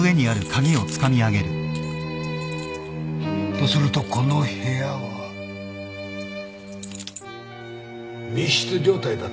とするとこの部屋は密室状態だったわけですね。